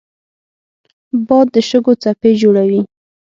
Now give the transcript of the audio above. باد د شګو څپې جوړوي